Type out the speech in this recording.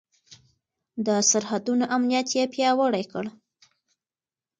د سرحدونو امنيت يې پياوړی کړ.